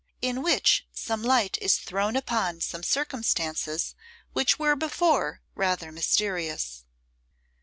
In Which Some Light Is Thrown upon Some Circumstances Which Were Before Rather Mysterious.